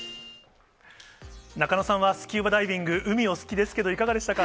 中野さんはスキューバダイビング、海お好きですけど、いかがでしたか？